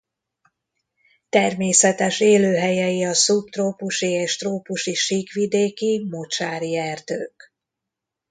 Természetes élőhelyei a szubtrópusi és trópusi síkvidéki mocsári erdők.